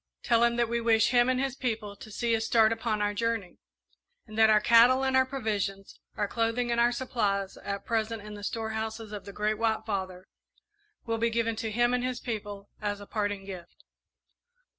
Tell him that we wish him and his people to see us start upon our journey, and that our cattle and our provisions, our clothing and our supplies, at present in the storehouses of the Great White Father, will be given to him and his people as a parting gift.